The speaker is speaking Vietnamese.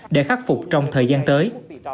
để khắc phục trong thời gian tới